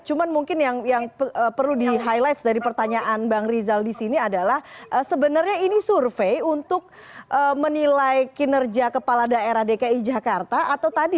cuma mungkin yang perlu di highlight dari pertanyaan bang rizal di sini adalah sebenarnya ini survei untuk menilai kinerja kepala daerah dki jakarta atau tadi